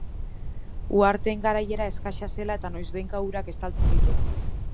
Uharteen garaiera eskasa zela eta noizbehinka urak estaltzen ditu.